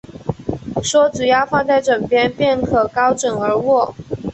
说只要放在枕边，便可高枕而卧